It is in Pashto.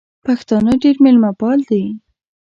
پښتانه ډېر مېلمه پال دي.